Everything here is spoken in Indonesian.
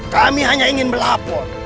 kami hanya ingin melapor